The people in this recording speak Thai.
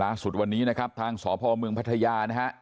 ล่าสุดวันนี้นะครับทางสพเมืองพัทยานะฮะ